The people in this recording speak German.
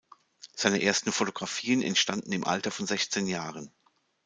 Seine ersten Fotografien entstanden im Alter von sechzehn Jahren.